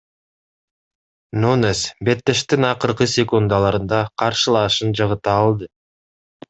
Нунес беттештин акыркы секундаларында каршылашын жыгыта алды.